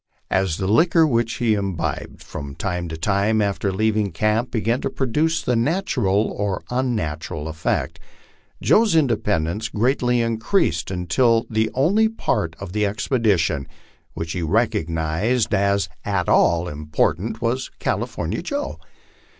As the liquor which he imbibed from time to time after leaving camp began to produce the natural or unnatural effect, Joe's independence greatly increased until the only part of the expedition which he recognized as at all important was California Joe.